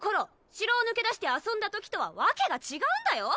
城を抜け出して遊んだときとは訳が違うんだよ